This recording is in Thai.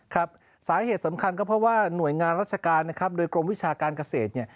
ครับสาเหตุสำคัญก็เพราะว่าหน่วยงานรัชการโดยกรมวิชาการเกษตร